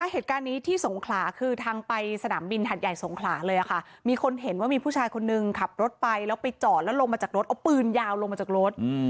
เหตุการณ์นี้ที่สงขลาคือทางไปสนามบินหัดใหญ่สงขลาเลยค่ะมีคนเห็นว่ามีผู้ชายคนนึงขับรถไปแล้วไปจอดแล้วลงมาจากรถเอาปืนยาวลงมาจากรถ